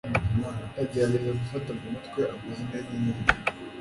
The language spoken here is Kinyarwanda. ndagerageza gufata mu mutwe amazina yinyenyeri